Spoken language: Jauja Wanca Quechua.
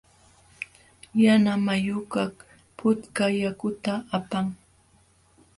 Yanamayukaq putka yakuta apan.